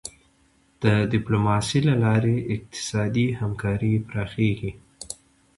د ډیپلوماسی له لارې اقتصادي همکاري پراخیږي.